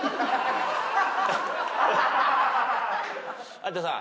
有田さん。